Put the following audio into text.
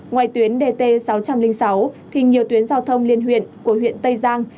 ngoài tuyến dt sáu trăm linh sáu thì nhiều tuyến giao thông liên huyện của huyện tây giang